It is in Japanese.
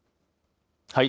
はい。